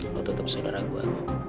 lo tetep saudara gue